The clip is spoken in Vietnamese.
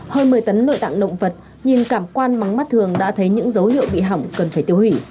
hơn một mươi tấn nội tạng động vật nhìn cảm quan mắm mắt thường đã thấy những dấu hiệu bị hỏng cần phải tiêu hủy